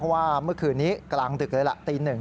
ว่าเมื่อคืนนี้กลางดึกเลยล่ะตี๑